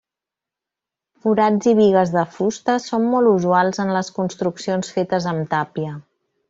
Forats i bigues de fusta són molt usuals en les construccions fetes amb tàpia.